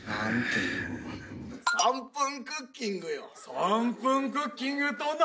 『３分クッキング』とな！